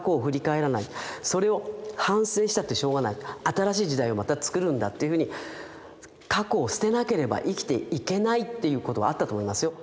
新しい時代をまたつくるんだっていうふうに過去を捨てなければ生きていけないっていうことはあったと思いますよ。